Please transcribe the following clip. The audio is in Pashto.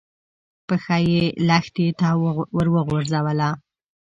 پښه يې لښتي ته ور وغځوله.